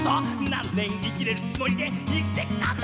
何年生きれるつもりで生きてきたんだ」